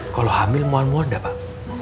kalo hamil mual mual gak pak